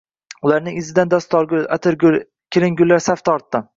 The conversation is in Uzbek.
Ularning izidan dastorgul, atirgul, kelingullar saf tortdi.